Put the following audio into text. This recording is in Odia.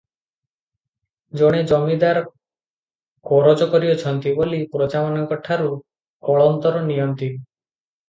ଏଣେ ଜମିଦାର କରଜ କରିଅଛନ୍ତି ବୋଲି ପ୍ରଜାମାନଙ୍କଠାରୁ କଳନ୍ତର ନିଅନ୍ତି ।